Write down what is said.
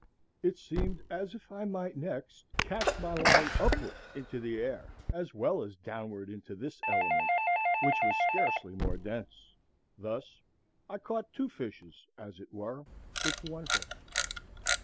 It seemed as if I might next cast my line upward into the air, as well as downward into this element, which was scarcely more dense. Thus I caught two fishes as it were with one hook.